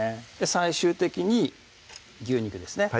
最終的に牛肉ですね